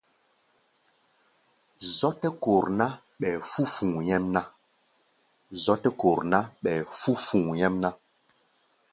Zɔ̧́ tɛ́ kor ná, ɓɛɛ fú̧ fu̧u̧ nyɛ́mná.